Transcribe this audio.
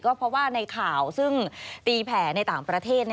เพราะว่าในข่าวซึ่งตีแผ่ในต่างประเทศ